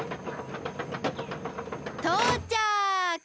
とうちゃく！